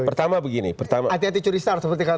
pertama begini pertama hati hati curi star seperti kata